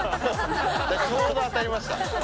ちょうど当たりました。